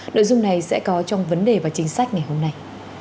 nội dung này sẽ có trong vấn đề và chính sách ngày hôm nay